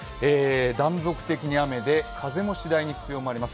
断続的に雨で風も時折強まります。